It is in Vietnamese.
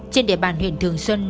trên địa bàn huyện thường xuân